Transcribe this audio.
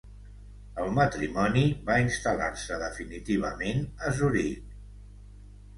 El matrimoni va instal·lar-se definitivament a Zuric.